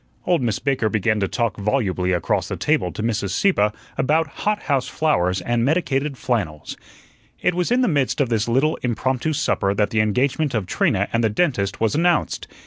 Old Miss Baker began to talk volubly across the table to Mrs. Sieppe about hot house flowers and medicated flannels. It was in the midst of this little impromptu supper that the engagement of Trina and the dentist was announced.